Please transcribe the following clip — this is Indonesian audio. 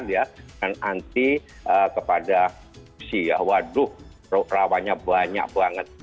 dan anti kepada si waduh rawanya banyak banget